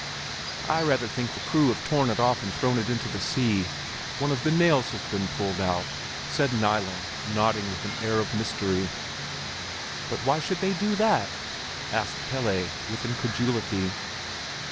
"I rather think the crew have torn it off and thrown it into the sea. One of the nails has been pulled out," said Nilen, nodding with an air of mystery. "But why should they do that?" asked Pelle, with incredulity.